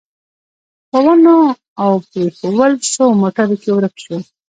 په ونو او پرېښوول شوو موټرو کې ورک شو.